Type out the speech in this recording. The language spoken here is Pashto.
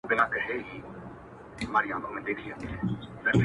خلک بيا بحث شروع کوي ډېر,